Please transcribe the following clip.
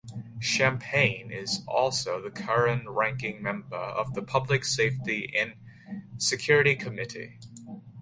Champagne is also the current Ranking Member of the Public Safety and Security Committee.